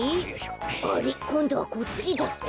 あれっこんどはこっちだ。